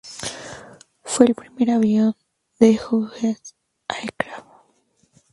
Fue el primer avión de Hughes Aircraft.